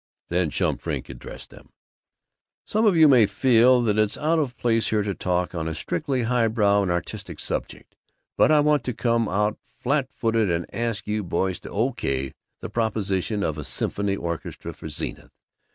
Then Chum Frink addressed them: "Some of you may feel that it's out of place here to talk on a strictly highbrow and artistic subject, but I want to come out flatfooted and ask you boys to O.K. the proposition of a Symphony Orchestra for Zenith.